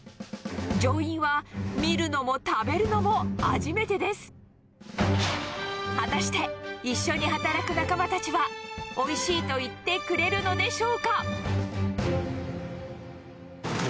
乗員は見るのも食べるのも初めてです果たして一緒に働く仲間たちは「おいしい」と言ってくれるのでしょうか？